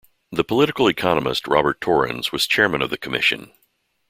The political economist, Robert Torrens was chairman of the Commission.